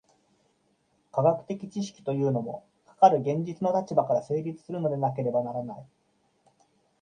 科学的知識というのも、かかる現実の立場から成立するのでなければならない。